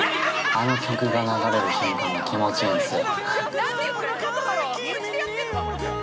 あの曲が流れる瞬間が気持ちいいんすよ。